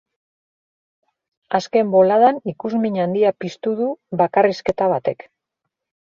Azken boladan ikusmin handia piztu du bakarrizketa batek.